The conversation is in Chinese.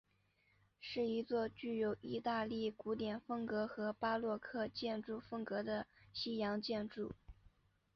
是一座具有意大利古典风格和巴洛克建筑风格的西洋建筑。